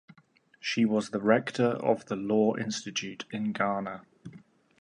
She was the rector of the Law Institute in Ghana.